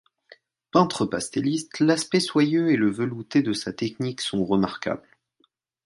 Peintre pastelliste, l’aspect soyeux et le velouté de sa technique sont remarquables.